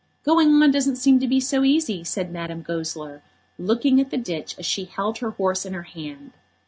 "Going on doesn't seem to be so easy," said Madame Goesler, looking at the ditch as she held her horse in her hand.